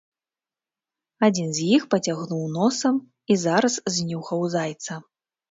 Адзін з іх пацягнуў носам і зараз знюхаў зайца.